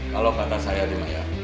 kalau kata saya di maya